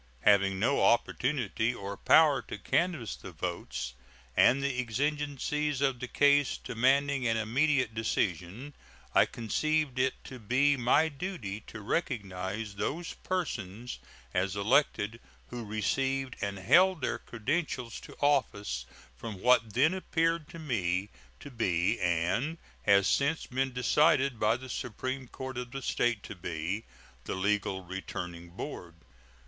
Having no opportunity or power to canvass the votes, and the exigencies of the case demanding an immediate decision, I conceived it to be my duty to recognize those persons as elected who received and held their credentials to office from what then appeared to me to be, and has since been decided by the supreme court of the State to be, the legal returning board.